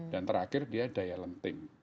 dan terakhir dia daya lentim